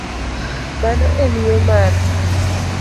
Mani en yo mar m